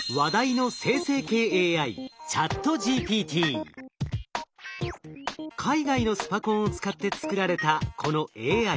話題の海外のスパコンを使って作られたこのＡＩ。